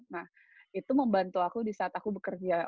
nah itu membantu aku di saat aku bekerja